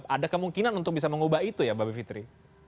ada kemungkinan untuk bisa mengubah itu ya mbak bivitri